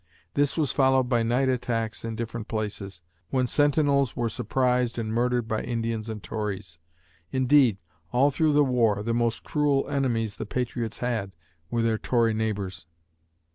This was followed by night attacks in different places, when sentinels were surprised and murdered by Indians and Tories. Indeed, all through the war, the most cruel enemies the patriots had were their Tory neighbors.